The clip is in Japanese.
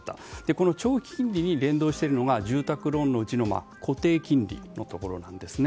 この長期金利に連動しているのが住宅ローンのうちの固定金利のところなんですね。